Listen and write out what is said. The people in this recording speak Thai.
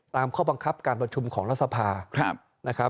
ตามข้อบังคับการปัญชุมของรัฐสภา